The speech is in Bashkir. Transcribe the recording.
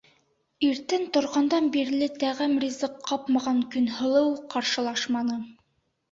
Иртән торғандан бирле тәғәм ризыҡ ҡапмаған Көнһылыу ҡаршылашманы.